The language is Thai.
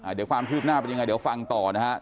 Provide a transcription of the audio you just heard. เดี๋ยวความคืบหน้าเป็นยังไงเดี๋ยวฟังต่อนะครับ